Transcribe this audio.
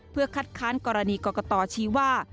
เพื่อคัดค้านกรณีกรกตชี้ว่า